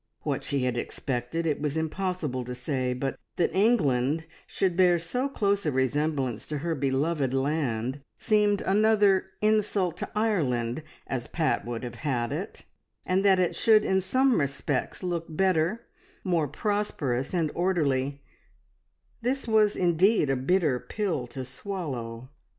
What she had expected, it was impossible to say; but that England should bear so close a resemblance to her beloved land seemed another "insult to Ireland," as Pat would have had it, and that it should in some respects look better, more prosperous and orderly, this was indeed a bitter pill to swallow.